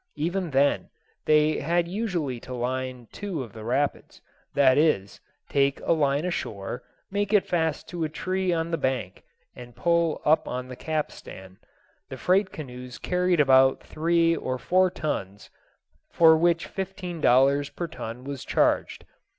Even then they had usually to line two of the rapids—that is, take a line ashore, make it fast to a tree on the bank, and pull up on the capstan. The freight canoes carried about three or four tons, for which fifteen dollars per ton was charged.